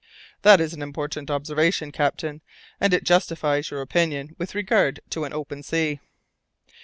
"That is an important observation, captain, and it justifies your opinion with regard to an open sea."